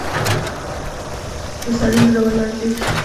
د سړي زړه ولړزېد.